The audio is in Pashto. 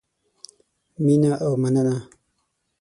مینه او مننه